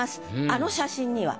あの写真には。